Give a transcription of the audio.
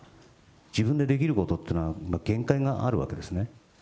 自分でできることっていうのは、限界があるわけですね。